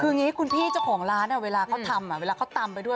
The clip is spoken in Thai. คืออย่างนี้คุณพี่เจ้าของร้านเวลาเขาทำเวลาเขาตำไปด้วย